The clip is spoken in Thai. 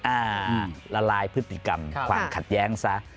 ละลายพฤติกรรมความขัดแย้งซะ